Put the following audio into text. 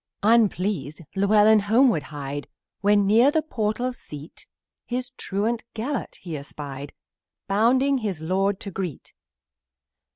Unpleased, Llewellyn homeward hied, When near the portal seat, His truant Gelert he espied, Bounding his lord to meet.